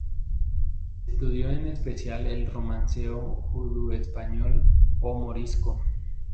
Estudió en especial el Romancero judeoespañol y morisco.